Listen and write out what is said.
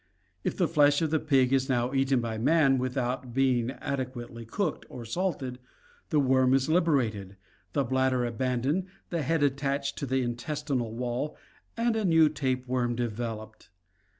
If the flesh of the pig is now eaten by man, without being adequately cooked or salted, the worm is liberated, the bladder abandoned, the head attached to the intestinal wall, and a new tapeworm developed.